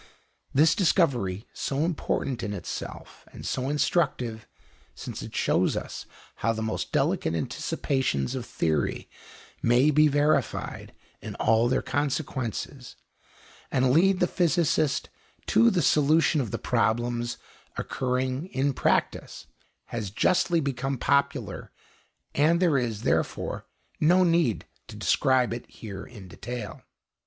This discovery, so important in itself and so instructive, since it shows us how the most delicate anticipations of theory may be verified in all their consequences, and lead the physicist to the solution of the problems occurring in practice, has justly become popular, and there is, therefore, no need to describe it here in detail.